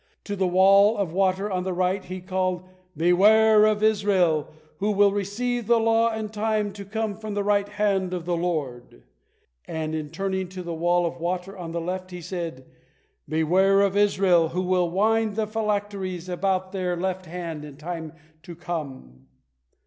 To the wall of water on the right, he called, "Beware of Israel, who will receive the law in time to come from the right hand of the Lord," and turning to the wall of water on the left, he said, "Beware of Israel, who will wind the phylacteries about their left hand in time to come."